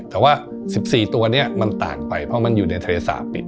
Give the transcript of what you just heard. แต่ว่า๑๔ตัวนี้มันต่างไปเพราะมันอยู่ในทะเลสาปิต